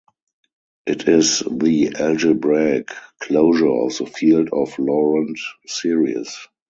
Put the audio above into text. It is the algebraic closure of the field of Laurent series.